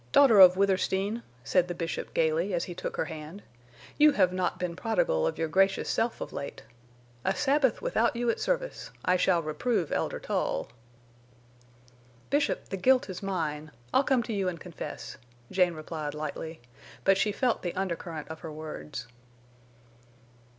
"Daughter of Withersteen," said the Bishop, gaily, as he took her hand, "you have not been prodigal of your gracious self of late. A Sabbath without you at service! I shall reprove Elder Tull." "Bishop, the guilt is mine. I'll come to you and confess," Jane replied, lightly; but she felt the undercurrent of her words.